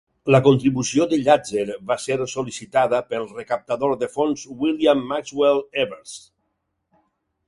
La contribució de Llàtzer va ser sol·licitada pel recaptador de fons William Maxwell Evarts.